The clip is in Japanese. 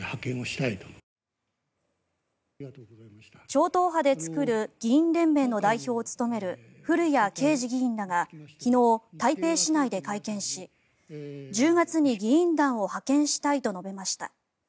超党派で作る議員連盟の代表を務める古屋圭司議員らが昨日、台北市内で会見し１０月に議員団を派遣したいと述べました。